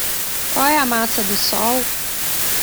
Qual é a massa do sol?